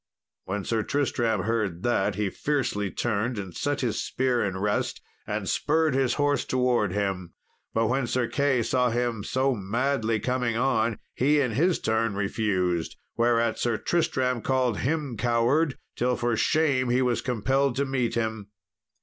When Sir Tristram heard that, he fiercely turned and set his spear in rest, and spurred his horse towards him. But when Sir Key saw him so madly coming on, he in his turn refused, whereat Sir Tristram called him coward, till for shame he was compelled to meet him.